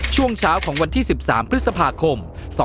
ช่วงเช้าของวันที่๑๓พฤษภาคม๒๕๖